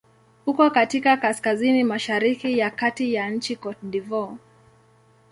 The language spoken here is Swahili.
Uko katika kaskazini-mashariki ya kati ya nchi Cote d'Ivoire.